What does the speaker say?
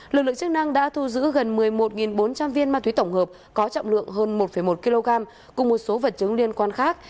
lực lượng chức năng đã thu giữ gần một mươi một bốn trăm linh viên ma túy tổng hợp có trọng lượng hơn một một kg cùng một số vật chứng liên quan khác